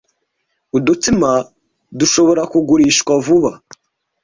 Udutsima dushobora kugurishwa vuba.